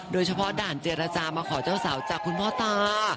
โดยเฉพาะด่านเจรจามาขอเจ้าสาวจากคุณพ่อตา